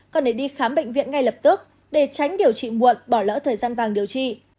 còn để đi khám bệnh viện ngay lập tức để tránh điều trị muộn bỏ lỡ thời gian vàng điều trị